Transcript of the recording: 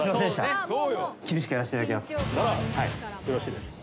ならよろしいです。